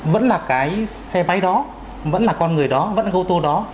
vẫn là cái xe bay đó vẫn là con người đó vẫn là gô tô đó